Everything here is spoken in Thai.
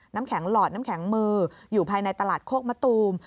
น้ำแข็งหลอดน้ำแข็งมืออยู่ภายในตลาดโคกมะตูม